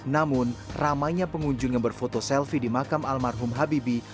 namun ramainya pengunjung yang berfoto selfie di makam almarhum habibi